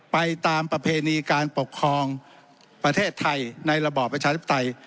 ตามประเพณีการปกครองประเทศไทยในระบอบประชาธิปไตย